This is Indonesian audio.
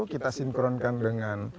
kita sinkronkan dengan